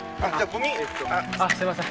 すいません。